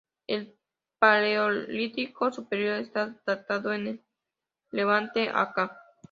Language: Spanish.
El paleolítico superior está datado en el Levante a ca.